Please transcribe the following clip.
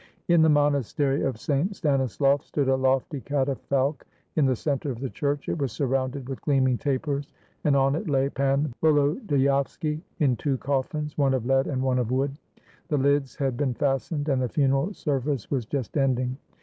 In the monastery of St. Stanislav stood a lofty cata falque in the center of the church; it was surrounded with gleaming tapers, and on it lay Pan Volodyovski in two coflSns, one of lead and one of wood. The lids had been fastened, and the funeral service was just ending.